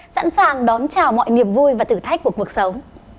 sẵn sàng đón chào mọi niềm vui và thử thách của cuộc sống